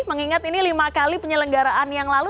mengingat ini lima kali penyelenggaraan yang lalu